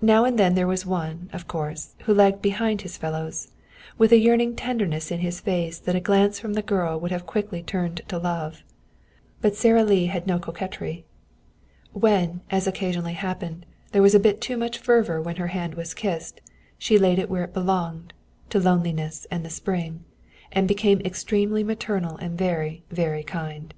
Now and then there was one, of course, who lagged behind his fellows, with a yearning tenderness in his face that a glance from the girl would have quickly turned to love. But Sara Lee had no coquetry. When, as occasionally happened, there was a bit too much fervor when her hand was kissed, she laid it where it belonged to loneliness and the spring and became extremely maternal and very, very kind.